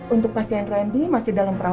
untuk pasien randy masih dalam perawatan